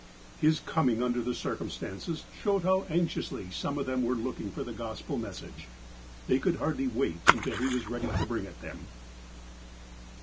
His coming, under the circumstances, showed how anx iously some of them were looking for the Gospel message. They could hardly wait until he was ready to bring it them.